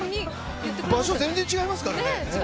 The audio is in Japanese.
場所全然違いますからね。